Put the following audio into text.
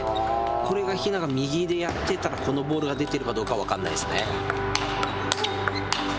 これがひなが右でやってたらこのボールが出ているかどうか分からないですね。